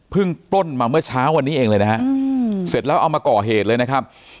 ปล้นมาเมื่อเช้าวันนี้เองเลยนะฮะเสร็จแล้วเอามาก่อเหตุเลยนะครับ